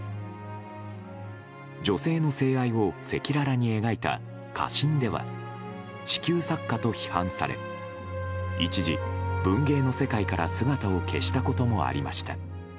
女性の性愛を赤裸々に描いた「花芯」では子宮作家と批判され一時、文芸の世界から姿を消したこともありました。